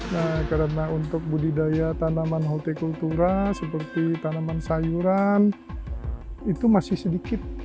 nah karena untuk budidaya tanaman hotekultura seperti tanaman sayuran itu masih sedikit